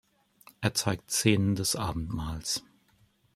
Er zeigt Szenen des Abendmahls.